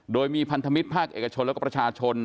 โดยมีพันธมิตรภาคเอกชนแล้วก็ประชาชน